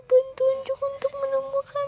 bentunjuk untuk menemukan